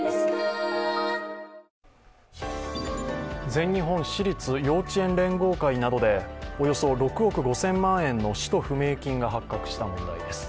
全日本私立幼稚園連合会などでおよそ６億５０００万円の使途不明金が発覚した問題です。